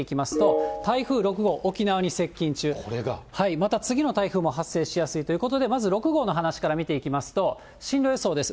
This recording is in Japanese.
また次の台風も発生しやすいということで、まず６号の話から見ていきますと、進路予想です。